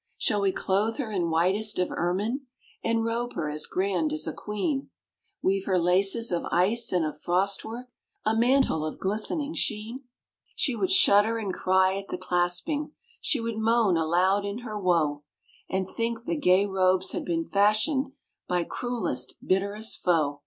Shall we clothe her in whitest of ermine, And robe her as grand as a queen; Weave her laces of ice and of frost work, A mantle of glistening sheen? She would shudder and cry at the clasping, She would moan aloud in her woe, And think the gay robes had been fashioned By cruelest, bitterest foe.